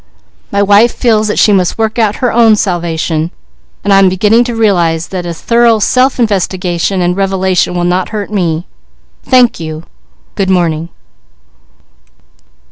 My wife feels that she must work out her own salvation, and I am beginning to realize that a thorough self investigation and revelation will not hurt me. Thank you. Good morning."